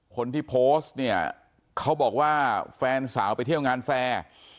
คนที่โพสต์เนี่ยเขาบอกว่าแฟนสาวไปเที่ยวงานแฟร์